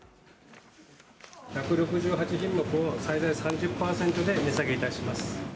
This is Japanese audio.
１６８品目を最大３０％で値下げいたします。